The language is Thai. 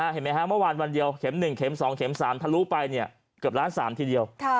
เห็นมั้ยฮะเมื่อวานวันเดียวเข็ม๑เข็ม๒เข็ม๓ทะลุไปเนี่ยเกือบ๑๓๐๐๐๐๐ทีเดียว